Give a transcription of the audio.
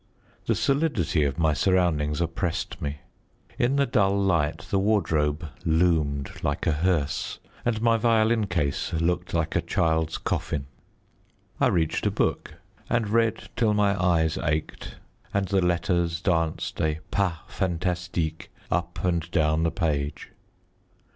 The solidity of my surroundings oppressed me. In the dull light the wardrobe loomed like a hearse, and my violin case looked like a child's coffin. I reached a book and read till my eyes ached and the letters danced a pas fantastique up and down the page.